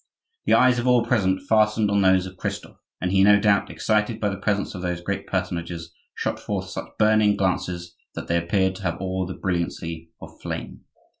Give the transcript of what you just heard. The eyes of all present fastened on those of Christophe, and he, no doubt excited by the presence of those great personages, shot forth such burning glances that they appeared to have all the brilliancy of flame.